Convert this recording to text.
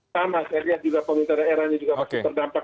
sama pemerintah daerahnya juga masih terdampak